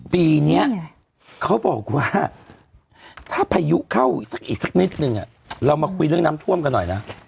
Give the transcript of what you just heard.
ปีนี้เขาบอกว่าถ้าพายุเข้าสักอีกสักนิดนึงเรามาคุยเรื่องน้ำท่วมกันหน่อยนะ